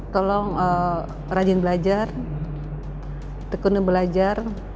tolong rajin belajar tekun belajar